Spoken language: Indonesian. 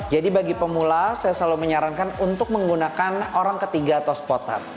jadi bagi pemula saya selalu menyarankan untuk menggunakan orang ketiga atau spotter